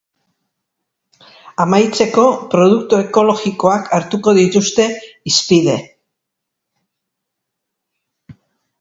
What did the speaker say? Amaitzeko, produktu ekologikoak hartuko dituzte hizpide.